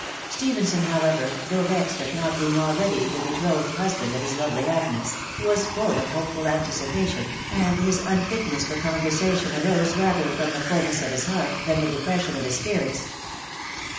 Stephenson, however, though vexed at not being already the betrothed husband of his lovely A full of hopeful anticipation, and his unfitness for arose rather from the fulness of his heart, than the depression of his spirits.